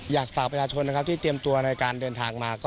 อยากฝากประชาชนนะครับที่เตรียมตัวในการเดินทางมา